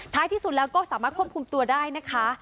ที่สุดแล้วก็สามารถควบคุมตัวได้นะคะ